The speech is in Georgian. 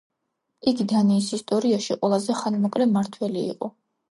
იგი დანიის ისტორიაში ყველაზე ხანმოკლე მმართველი იყო.